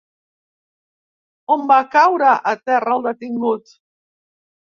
On va caure a terra el detingut?